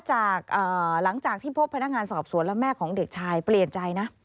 หลังจากที่พบพนักงานสอบสวนแล้วแม่ของเด็กชายเปลี่ยนใจนะ